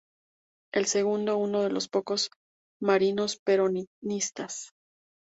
El segundo uno de los pocos marinos peronistas.